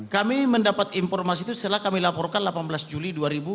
kami mendapat informasi itu setelah kami laporkan delapan belas juli dua ribu dua puluh